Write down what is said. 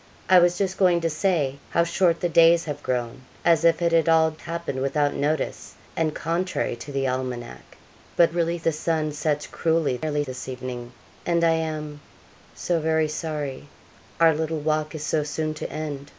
'I was just going to say how short the days have grown, as if it had all happened without notice, and contrary to the almanac; but really the sun sets cruelly early this evening, and I am so very sorry our little walk is so soon to end.'